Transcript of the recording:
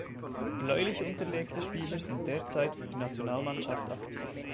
Bläulich unterlegte Spieler sind derzeit für die Nationalmannschaft aktiv.